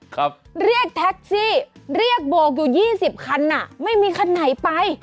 ครับเรียกแท็กซี่เรียกโบกอยู่ยี่สิบคันอ่ะไม่มีคันไหนไป